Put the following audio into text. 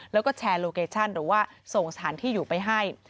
แล้วก็แชร์โลเคชั่นหรือว่าส่งสถานที่อยู่ไปให้